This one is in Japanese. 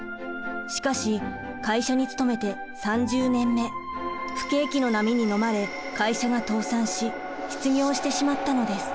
しかし会社に勤めて３０年目不景気の波にのまれ会社が倒産し失業してしまったのです。